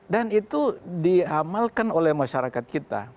dan itu diamalkan oleh masyarakat kita